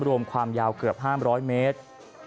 ความยาวเกือบ๕๐๐เมตร